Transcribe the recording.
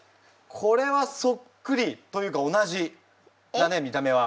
これはそっくり！というか同じだね見た目は。